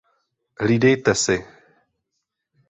Hlídejte si!